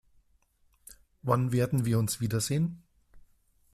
Wann werden wir uns wiedersehen?